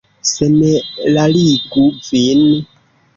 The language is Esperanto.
Senerarigu vin.